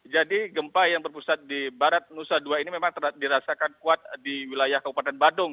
jadi gempa yang berpusat di barat nusa dua ini memang dirasakan kuat di wilayah kabupaten badung